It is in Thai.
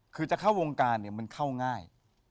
คือจะเข้าวงการเนี่ยมันเข้าง่าย